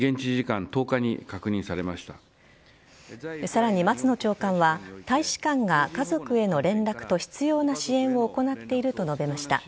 さらに松野長官は大使館が家族への連絡と必要な支援を行っていると述べました。